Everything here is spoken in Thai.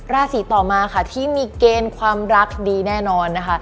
ราศีต่อมาค่ะที่มีเกณฑ์ความรักดีแน่นอนนะคะ